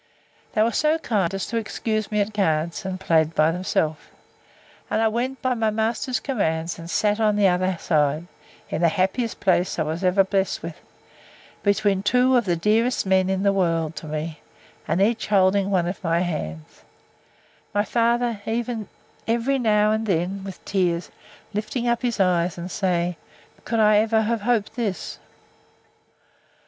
They were so kind as to excuse me at cards, and played by themselves; and I went by my master's commands and sat on the other side, in the happiest place I ever was blest with, between two of the dearest men in the world to me, and each holding one of my hands:—my father, every now and then, with tears, lifting up his eyes, and saying, Could I ever have hoped this!